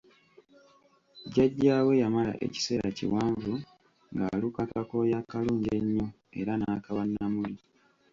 Jjaja we yamala ekiseera kiwanvu nga aluka akakooyi akalungi ennyo era n'akawa Namuli.